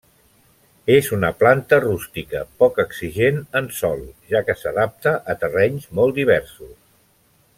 És una planta rústica, poc exigent en sòl, ja que s'adapta a terrenys molt diversos.